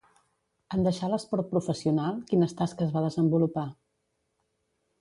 En deixar l'esport professional, quines tasques va desenvolupar?